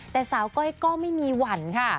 แต่สาวก้อยก็ไม่มีหวั่นค่ะ